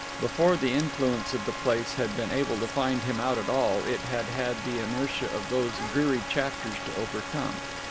Before the influence of the place had been able to find him out at all, it had had the inertia of those dreary chapters to overcome.